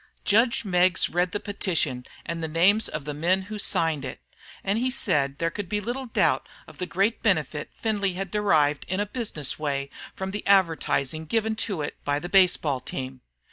Judge Meggs read the petition and names, of the men who had signed it; and he said there could be little doubt of the great benefit Findlay had derived in a business way from the advertising given to it by the baseball team.